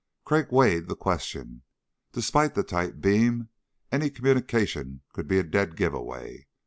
Crag weighed the question. Despite the tight beam, any communication could be a dead giveaway.